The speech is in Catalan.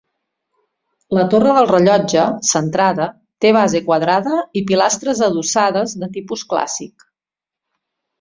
La torre del Rellotge, centrada, té base quadrada i pilastres adossades de tipus clàssic.